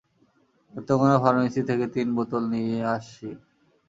নেত্রকোণার ফর্মেসি থেকে তিন বোতল নিয়ে আসছি।